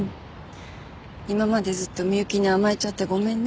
今までずっと美幸に甘えちゃってごめんね。